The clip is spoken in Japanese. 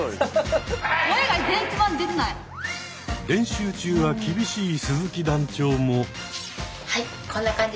練習中は厳しい鈴木団長も。